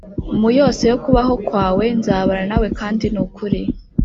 mu yose yo kubaho kwawe c Nzabana nawe kandi nukuri